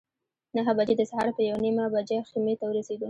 نهه بجې د سهار په یوه نیمه بجه خیمې ته ورسېدو.